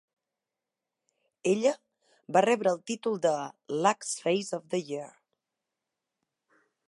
Ella va rebre el títol de "Lux Face of the Year".